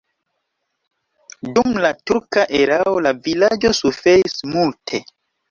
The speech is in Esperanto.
Dum la turka erao la vilaĝo suferis multe.